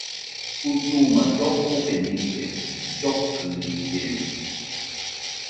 Usuma llokofe nite, llokɨrillena